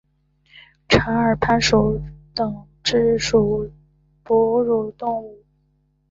长耳攀鼠属等之数种哺乳动物。